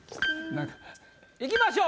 いきましょう。